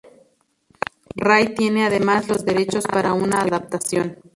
Rai tiene además los derechos para una adaptación.